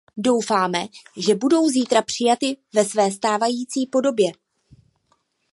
Doufáme, že budou zítra přijaty ve své stávající podobě.